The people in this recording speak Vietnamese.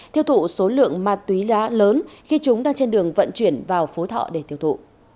thiêu thụ số lượng ma túy lá lớn khi chúng đang trên đường vận chuyển vào phố thọ để thiêu thụ